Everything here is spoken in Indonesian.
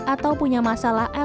atau punya masalah